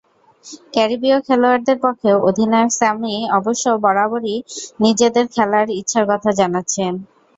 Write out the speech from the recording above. ক্যারিবীয় খেলোয়াড়দের পক্ষে অধিনায়ক স্যামি অবশ্য বারবারই নিজেদের খেলার ইচ্ছার কথা জানাচ্ছেন।